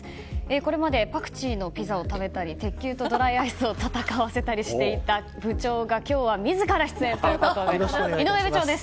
これまでパクチーのピザを食べたり鉄球とドライアイスを戦わせていた部長が今日は自ら出演ということで井上部長です。